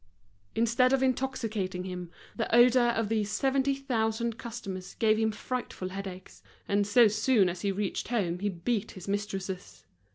Instead of intoxicating him, the odor of these seventy thousand customers gave him frightful headaches: and so soon as he reached home he beat his mistresses.